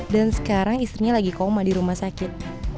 sekarang istrinya lagi koma di rumah sakit